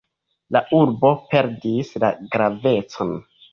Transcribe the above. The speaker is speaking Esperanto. La urbo perdis la gravecon.